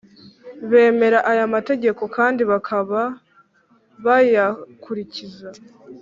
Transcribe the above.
bemera aya mategeko kandi bakaba bayakurikiza